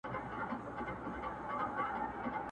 په یو ترڅ کي یې ترې وکړله پوښتنه!.